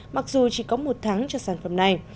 mặc dù chỉ có một tháng cho sản phẩm này